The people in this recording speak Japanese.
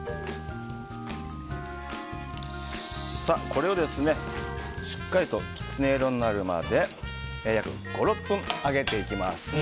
これをしっかりとキツネ色になるまで約５６分揚げていきます。